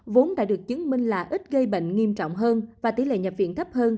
vốn đã được chứng minh là ít gây bệnh nghiêm trọng hơn và tỷ lệ nhập viện thấp hơn